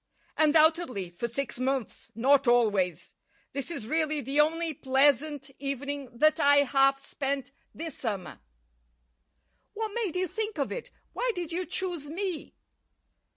"Undoubtedly for six months; not always. This is really the only pleasant evening that I have spent this summer." "What made you think of it? Why did you choose me?"